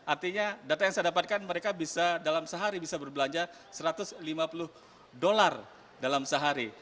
artinya data yang saya dapatkan mereka bisa dalam sehari bisa berbelanja satu ratus lima puluh dolar dalam sehari